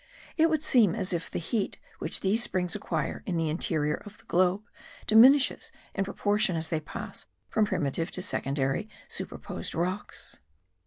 It would seem as if the heat which these springs acquire in the interior of the globe diminishes in proportion as they pass from primitive to secondary superposed rocks.